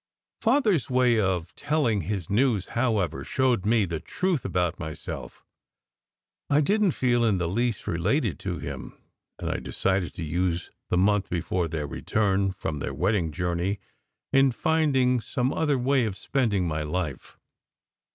Father s way of telling his news, however, showed me the truth about myself. I didn t feel in the least related to him; and I decided to use the month before their return from the wedding journey in finding some other way of spending my life.